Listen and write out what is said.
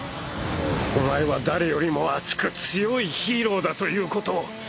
お前は誰よりも熱く強いヒーローだということを。